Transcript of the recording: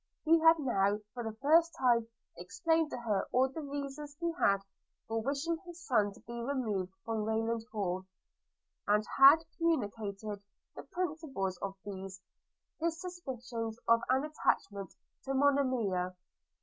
He had now, for the first time, explained to her all the reasons he had for wishing his son to be removed from Rayland Hall; and had communicated the principal of these; his suspicions of an attachment to Monimia.